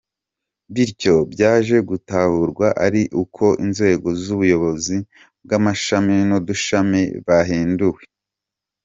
Bityo byaje gutahurwa ari uko inzego z’ubuyobozi bw’amashami n’udushami bahinduwe.